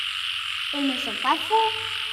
Ils ne sont pas fous ?